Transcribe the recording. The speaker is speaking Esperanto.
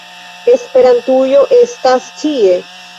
Esperantujo estas ĉie!